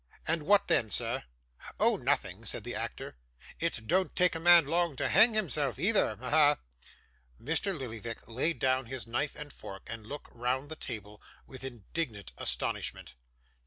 And what then, sir?' 'Oh! nothing,' said the actor. 'It don't take a man long to hang himself, either, eh? ha, ha!' Mr. Lillyvick laid down his knife and fork, and looked round the table with indignant astonishment.